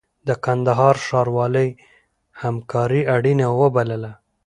د کندهار ښاروالۍ همکاري اړینه وبلله.